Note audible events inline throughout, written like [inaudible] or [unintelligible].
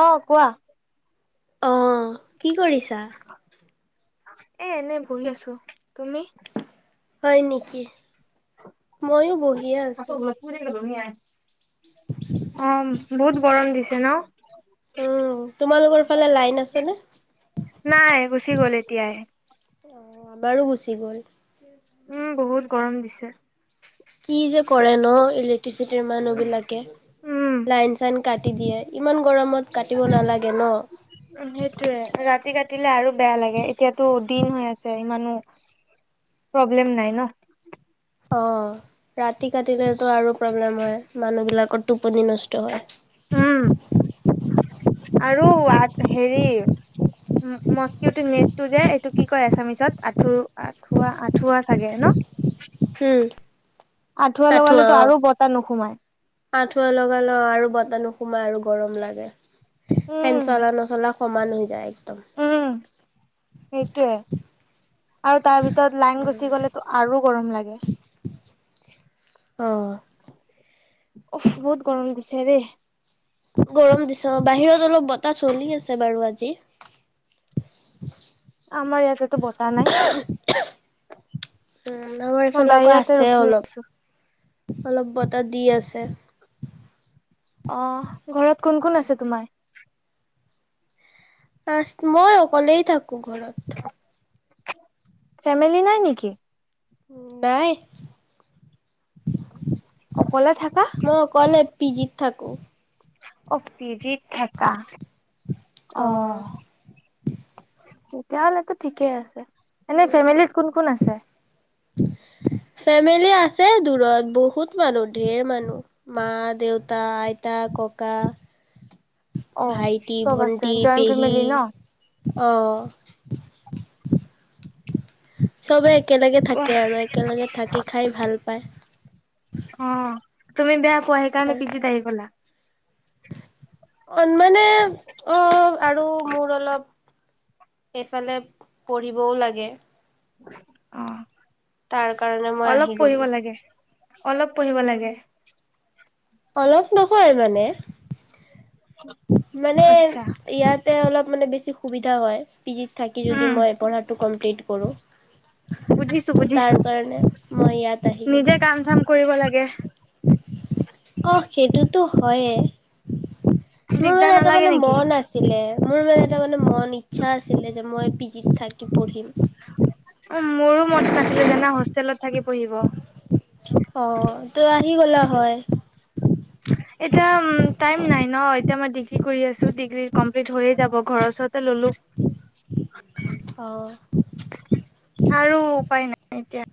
অ কোৱা অ কি কৰিছা? এ এনে বহি আছো তুমি হয় নেকি? ময়ো বহিয়ে আছোঁ । অ বহুত গৰম দিছে । কেন উম তোমালোকৰ ফালে লাইন আছে নে নাই গুচি গ'ল এতিয়াই অ আমাৰো গুচি গ'ল । উম বহুত গৰম দিছে । কি যে কৰে ন ই খেতি চেতিৰ মানুহ বিলাকে উম লাইন চাইন। কাটি দিয়ে ইমান গৰমত কাটিব নালাগে। ন'। সেইটোয়ে ৰাতি কাটিলে আৰু বেয়া লাগে এতিয়াতো দিন হৈ আছে ইমানো। প্ৰব্লেম নাই ন অ ৰাতি কাটিলেতো আৰু প্ৰব্লেম হয় মানুহ বিলাকত টোপনি নষ্ট হয়। উম আৰু হেৰি মস্কিটো নেটটো যে এইটো কি কয় এচামিচত আঁঠু আঁঠুৱা আঁঠুৱা চাগে ন। উম, আঠুৱা লগালেতো আৰু বতাহ নোসোমাই। আাঠুৱা লগা লওঁ আৰু বতাহ নোসোমাই আৰু গৰম লাগে। উম ফেন চলা নচলা। সমান হৈ যায় একদম। উম সেইটোৱে আৰু তাৰ ভিতৰত লাইন গুচি গ'লেতো আৰু গৰম লাগে। অহ অ বহুত গৰম বিচাৰে গৰম দিছ বাহিৰত অলপ বতাহ চলি আছে বাৰু আজি আমাৰ ইয়াতেতো বতাহ নাই উম আমাৰ মই এইফালে আকৌ বাহিৰতে আছে ৰখি অলপ আছো। অলপ বতাহ দি আছে। অ ঘৰত কোন কোন আছে তোমাৰ। মই অকলেই থাকো। কু ঘৰত ফেমিলি নাই নেকি? নাই অকলে থাকা‌। পিজিত থাকোঁ। অ পিজিত থাকা আহ তেতিয়া হলেতো ঠিকেই আছে এনে উম ফেমিলীত কোন কোন আছে? ফেমিলি আছে দূৰত বহুত ত মানুহ ঢেৰ মানুহ মা দেউতা আইতা ককা। অ ভাইটি চব আছে জইণ্ট ফেমিলি ন। আহ চবে একেলগে অ থাকে আৰু একেলগে থাকি খাই ভাল পায়। অঁ তুমি বেয়া কোৱা সেইকাৰণে পিজিত আহি গলা। অ মানে অ আৰু মোৰ অলপ এইফালে পঢ়িবও লাগে। উম তাৰ কাৰণে মই আহি গলো। অলপ পঢ়িব লাগে। অলপ নহয় মানে। মানে আচ্ছা ইয়াতে অলপ মানে বেছি সুবিধা হয়। পি জিত থাকি যদি উম মই পঢ়াটো কমপ্লিট কৰোঁ বুজিছো তাৰ বুজিছো কাৰণে মই ইয়াত আহি গ'লো। নিজে কাম চাম কৰিব লাগে। অ সেইটোতো হয়ে। মোৰ দিগদাৰ মানে এটা নালাগে মানে নেকি মন আছিলে। মোৰ মানে এটা মানে মন ইচ্ছা আছিলে যে মই পিজিত থাকি পঢ়িম। উ মোৰো মন নাছিলো জানা হোষ্টেলত থাকি পঢ়িব। অ' ত' আহি গ'লা হয় এতিয়া উম টাইম নাই ন। এতিয়া মই ডিগ্ৰী কৰি আছো ডিগ্ৰী কমপ্লিট হৈয়ে যাব ঘৰৰ ওচৰতে ললো। অ'। আৰু উপায় নাই। এতিয়া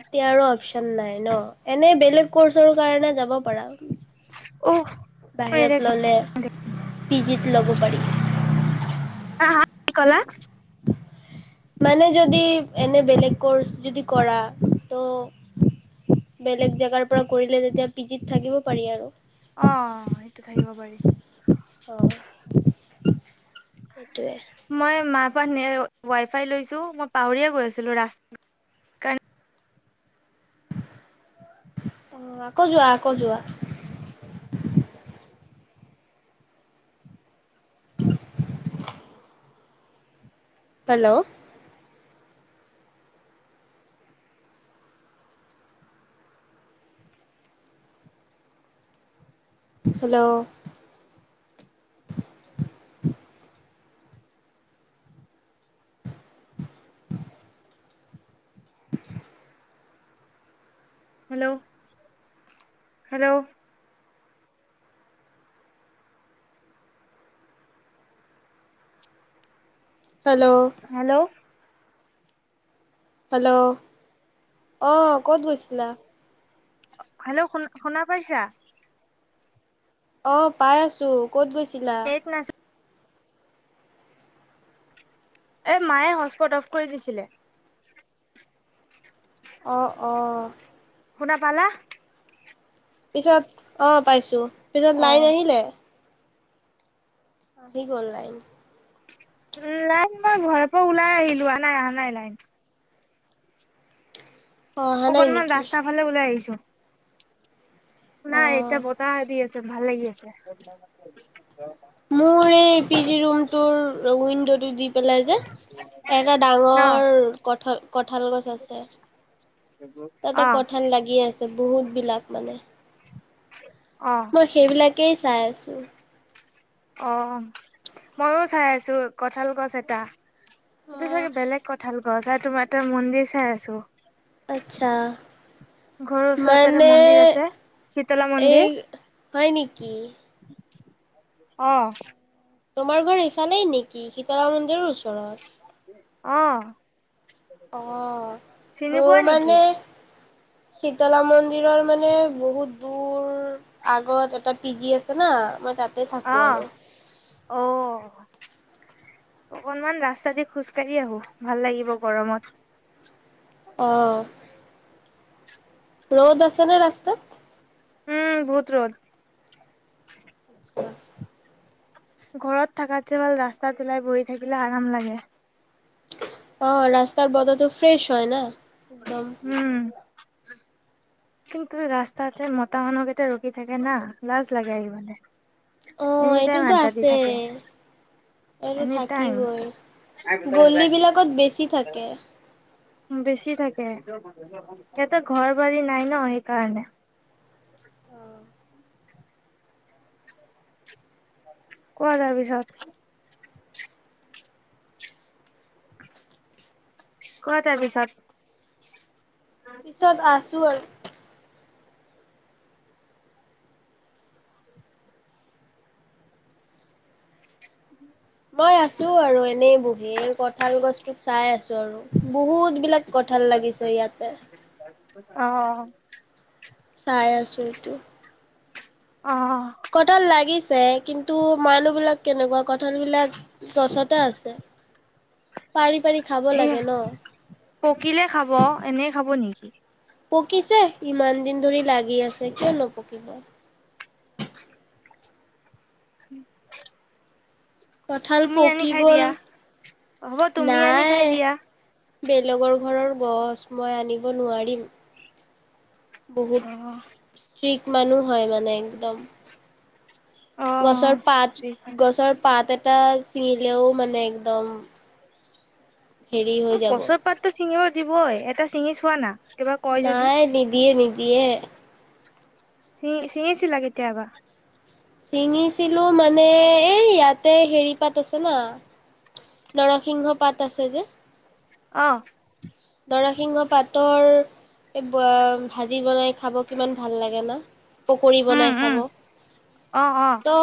এতিয়া আৰু অপচন নাই ন এনে বেলেগ কৰ্চৰ কাৰণে যাব পাৰা অহ বাহিৰত ললে পিজিত লব পাৰি বা কি কলা? মানে যদি এনে বেলেগ কৰ্চ যদি কৰা ত বেলেগ জেগাৰ পৰা কৰিলে তেতিয়া পিজিত থাকিব পাৰি আৰু। অ সেইটো থাকিব পাৰি। অ সেইটোৱে অমান ৱাই ফাই লৈছোঁ মই পাহৰিয়া গৈ আছিলোঁ ৰাস্তাত কাৰ অ আকৌ যোৱা আকৌ যোৱা উম উম [unintelligible] hello hello hello hello hello hello hello আহ ক'ত গৈছিলা [unintelligible] হেল্ল' শুনা শুনা পাইছা? অ, পাই আছো ক'ত গৈছা? এক নছিল [unintelligible] এ মায়ে কৰি দিছিলে [unintelligible] অঁ অঁ। শুনা পালা। পিছত অ পাইছো। পিছত অ লাইন আহিলে? আহি গল লাইন। লাইন মই ঘৰৰ পৰা ওলাই আহিলো, অ নাই অহা নাই লাইন। অ অহা নাই অকনমান নেকি ৰাস্তা ফালে ওলাই আহিছো। অ নাই এতিয়া বতাহ দি আছে। ভাল লাগি আছে। মোৰ এই পি জি ৰুমটোৰ উইণ্ডোটো দি পেলাই যে এটা ন ডাঙৰ কঠাল গছ আছে অ তাতে কঠাল লাগি আছে বহুত বিলাক মানে। অ মই সেইবিলাকেই। চাই আছো। অ, ময়ো চাই আছো কঠাল গছ এটা। অ সেইটো চাগে বেলেগ কঠাল। গছাই তোমাৰ এ ত মন্দিৰ চাই আছো [unintelligible] আচ্ছা। ঘৰৰ ওচৰত এটা মানে মন্দিৰ আছে শীতলা এই মন্দিৰ হয় নেকি। আহ। তোমাৰ ঘৰ ইফালে নেকি, শীতলা মন্দিৰৰ ওচৰত? ওচৰত, অঁ। চিনি মোৰ পোৱা নেকি? মানে শীতলা মন্দিৰৰ মানে বহুত দূৰ আগত এটা পিজি আছে না মানে। আহ অ। অকনমান ৰাস্তা দি খোজ কাঢ়ি আহো, ভাল লাগিব গৰমত। অহ। ৰদ আছে ন ৰাস্তাত? উম বহুত ৰদ। ঘৰত থকাতকে ৰাস্তাত ওলাই গৈ থাকিলে আৰাম লাগে। অ, ৰাস্তাৰ বতৰটো ফ্ৰেছ হয় ন। একদম। উম কিন্তু ৰাস্তাতে মতা মানুহকেইটা ৰখি থাকে না, লাজ লাগে আহিবলে। অ এনি এইটো টাইম বা আড্ডা দি আছে থাকে এইটো এনি টাইম থাকিবই গলি বিলাকত বেছি থাকে। বেছি থাকে সিহঁতে ঘৰ বাৰী নাই ন সেইকাৰণে। অ কোৱা তাৰ পিছত? কোৱা তাৰ পিছত? পিছত আছোঁ আৰু। [unintelligible] মই আছো আৰু এনেই বহি কঁঠাল গছটোক চাই আৰু বহুত বিলাক কঁঠাল লাগিছে তাৰ ইয়াতে পিছত [unintelligible] অ চাই আছো এইটো অ কঠাল লাগিছে আছে কিন্তু মানুহ বিলাক কেনেকুৱা কঠাল বিলাক গছতে আছে। পাৰি পাৰি খাব এ লাগে ন। পকিলে খাব এনে খাব নেকি। উ [unintelligible] পকিছে ইমান দিন ধৰি লাগি আছে কিয় নপকিব, উম, কঁঠাল পকি গল হ'ব তুমি আনি নাই? খাই দিয়া বেলেগৰ ঘৰৰ গছ মই আনিব নোৱাৰিম। অ বহুত শিক মানুহ হয় মানে একদম অ অ গছৰ পাত ঠিক গছৰ পাত এটা ছিঙিলেও মানে একদম হেৰি হৈ অ যাব। কচুৰ পাত তু চিঙিনৈ দিবই এটা চিঙি চোৱা না? কিবা কয় যদি নাই নিদিয়ে নিদ দিয়ে সি ছিঙিছিলা কেতিয়াবা? ছিঙিছিলো মানে এই ইয়াত তাতে হেৰি পাতিছে না নৰসিংহ পাত আছে যে। অহ নৰসিংহ পাতৰ ভাজি বনাই, খাব কিমান ভাল লাগে ন। পকৰি উম বনাই খাব উম অ অ ত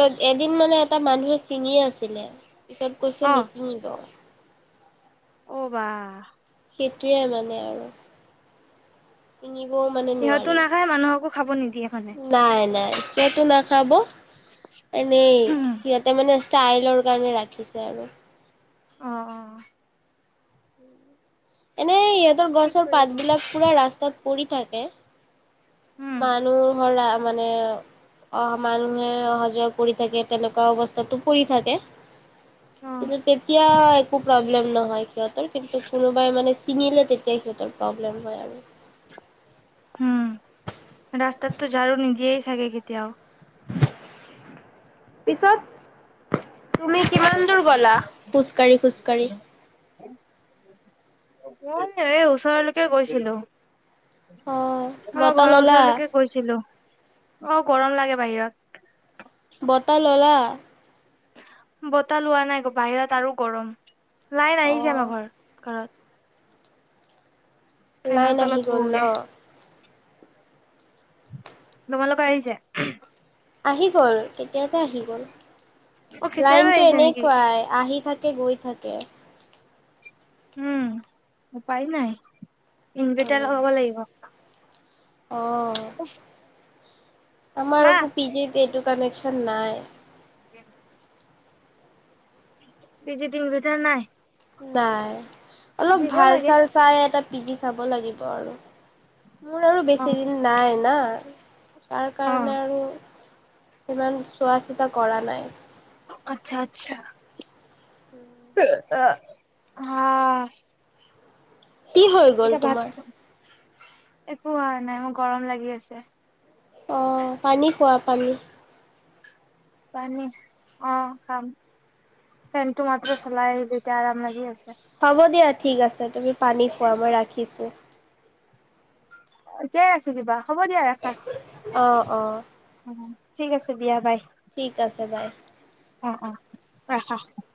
য এদিন মানে এটা মানুহে ছিঙি আছিলে। পিছত কৰিছো অ নিচিঙিব। অ বা সেইটোৱে মানে আৰু কিঙিবও মানে ইহঁতো নোৱাৰি নাখায় মানুহকো খাব নিদিয়ে মানে নাই নাই সেতো নাখাব এনেই উম, সিহঁতে মানে ষ্টাইলৰ কাৰণে ৰাখিছে আৰু অ অ সেই ইহঁতৰ কি গছৰ পাত কৰিব বিলাক পুৰা ৰাস্তা তাত পৰি থাকে উম মানুহ হৰা মানে অহা মানুহে অহা যোৱা কৰি থাকে তেনেকুৱা অৱস্থাতটো পৰি থাকে অ কিন্তু তেতিয়া একো প্ৰব্লেম নহয় সিহঁতৰ কিন্তু কোনো নহয় মানে চিঙিলে তেতিয়া সিহঁতৰ প্ৰব্লেম হয় আৰু উম ৰাস্তাততো ঝাৰু নিদিয়ে চাগে কেতিয়াও পিছত তুমি কিমান দূৰ গলা খোজকাঢ়ি খোজকাাঢ়ি মই এই ওচৰলৈকে গৈছিলো অ আমাৰ বতাহ ঘৰৰ ললা ওচৰলৈকে গৈছিলো অ গৰম লাগে বাহিৰত বতাহ ললা বতাহ লোৱা নাই বাহিৰত আৰু গৰম লাইন অ আহিছে আমাৰ ঘৰ ঘৰত ফেনৰ লাইন আহি তলত গ'ল ন বহোগে তোমালোকৰ আহিছে আহি গল কেতিয়াবাই আহি গ'ল অ কেতিয়াবা লাইনতটো আহিছে নেকি এনেকুৱাই আহি থাকে গৈ থাকে উম উপায় নাই ইনভাৰটাৰ লগাব লাগিব অ আমাৰ মা আকৌ পিজিত এইটো কানেকশ্যন নাই সে নেকি [inaudible] পিজিটোৰ ভিতৰত নাই নাই অলপ দিব ভাল লাগে চাল চাই এটা পিজি চাব লাগিব আৰু মোৰ আৰু অ বেছি দিন নাই না তাৰ অ কাৰণে আৰু। ইমান চোৱা চিতা কৰা নাই। আচ্ছা আচ্ছা। হ অ হ। কি হৈ গল তোমাৰ? একো হোৱা নাই, মোৰ গৰম লাগি আছে। অ, পানী খোৱা পানী। পানী অ খাম, ফেন টো মাত্ৰ চলাই আহিলো এতিয়া আৰাম লাগি আছে। হ'ব দিয়া। ঠিক আছে তুমি পানী খোৱা মই ৰাখিছোঁ' জীয়াই আছো দিবা হ'ব দিয়া ৰাখা। অঁ অঁ ঠিক আছে দিয়া বাই। ঠিক আছে বাই। অ অ ৰাখা ।